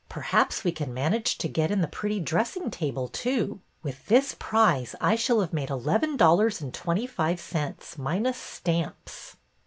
Perhaps we can manage to get in the pretty dressing table, too. With this prize I shall have made eleven dollars and twenty five cents, minus stamps